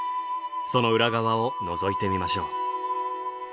その裏側をのぞいてみましょう。